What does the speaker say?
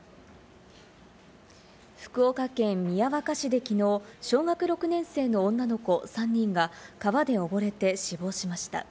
福岡県宮若市できのう、小学６年生の女の子３人が川で溺れて死亡しました。